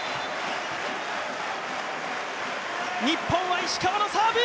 日本は石川のサーブ。